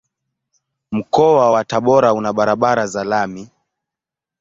Mkoa wa Tabora una barabara za lami.